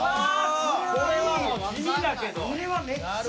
これは地味だけど。